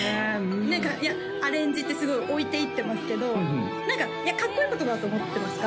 何かいやアレンジってすごい置いていってますけど何かかっこいい言葉だと思ってますか？